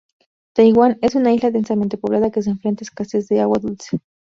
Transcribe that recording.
Taiwán es una isla densamente poblada que se enfrenta a escasez de agua dulce.